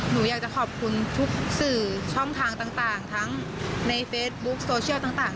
หนูอยากจะขอบคุณทุกสื่อช่องทางต่างทั้งในเฟซบุ๊คโซเชียลต่าง